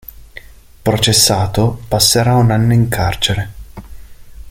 Processato, passerà un anno in carcere.